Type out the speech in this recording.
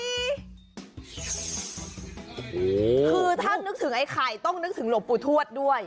คือถ้านึกถึงไอ้ไข่ต้องนึกถึงหลวงปู่ทวดด้วย